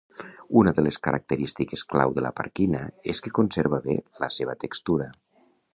Una de les característiques clau de la parkina és que conserva bé la seva textura.